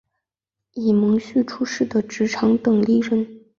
以荫叙出仕的直长等历任。